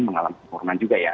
mengalami penurunan juga ya